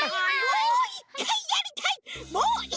もう１かいやりたい！